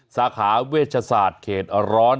สาขาเวชศาสตร์เขตร้อน